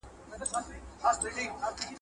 مګر تا له خلکو نه دي اورېدلي؟ ..